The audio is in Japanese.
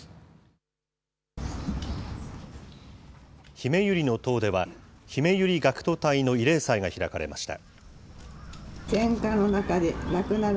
ひめゆりの塔では、ひめゆり学徒隊の慰霊祭が開かれました。